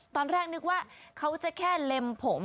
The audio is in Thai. ตอนแรกนึกว่าเขาจะแค่เล็มผม